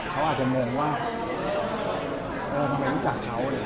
เขาอาจจะเมืองว่าเฮ้ยทำไมรู้จักเขา